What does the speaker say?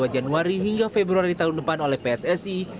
yang februari tahun depan oleh pssi